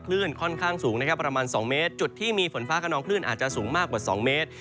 ค่อนข้างสูงนะครับประมาณ๒เมตรจุดที่มีฝนฟ้าขนองคลื่นอาจจะสูงมากกว่า๒เมตร